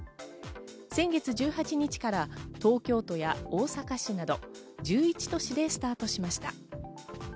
先月１８日から東京都や大阪市など１１都市でスタートしました。